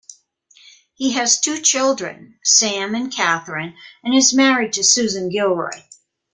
He has two children, Sam and Kathryn, and is married to Susan Gilroy.